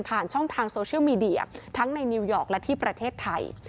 ช่องทางโซเชียลมีเดียทั้งในนิวยอร์กและที่ประเทศไทย